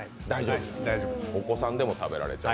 大丈夫、お子さんでも食べられちゃう。